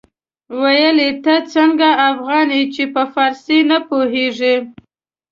ويل يې ته څنګه افغان يې چې په فارسي نه پوهېږې.